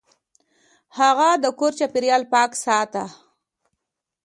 هغه د کور چاپیریال پاک ساته.